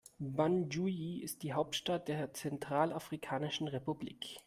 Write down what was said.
Bangui ist die Hauptstadt der Zentralafrikanischen Republik.